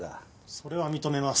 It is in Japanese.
それは認めます。